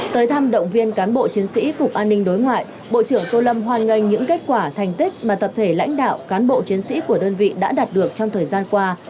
tới thăm động viên cán bộ chiến sĩ cục an ninh đối ngoại bộ trưởng tô lâm hoàn nghênh những kết quả thành tích mà tập thể lãnh đạo cán bộ chiến sĩ của đơn vị đã đạt được trong thời gian qua